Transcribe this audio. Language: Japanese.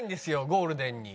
ゴールデンに。